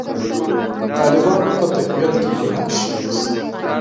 د طالبانو په تقویت کې نقش موثر دی.